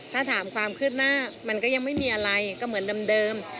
ถ้าถามความคืบหน้ามันก็ยังไม่มีอะไรก็เหมือนเดิม